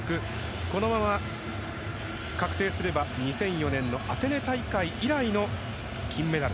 このまま確定すれば２００４年のアテネ大会以来の金メダル。